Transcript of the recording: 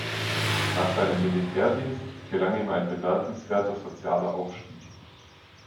Nach seinem Militärdienst gelang ihm ein bemerkenswerter sozialer Aufstieg.